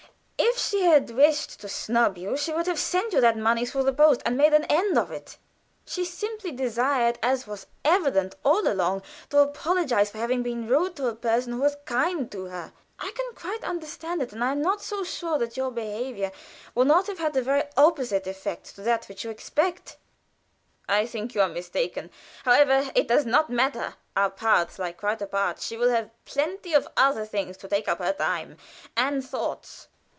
If she had wished to snub you she would have sent you that money through the post, and made an end of it. She simply desired, as was evident all along, to apologize for having been rude to a person who had been kind to her. I can quite understand it, and I am not sure that your behavior will not have the very opposite effect to that you expect." "I think you are mistaken. However, it does not matter; our paths lie quite apart. She will have plenty of other things to take up her time and thoughts.